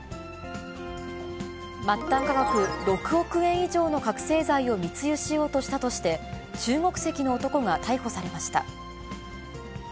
末端価格６億円以上の覚醒剤を密輸しようとしたとして、中国籍の男が逮捕されました。